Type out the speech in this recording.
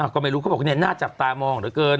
ก็ไม่รู้เขาบอกเนี่ยน่าจับตามองเหลือเกิน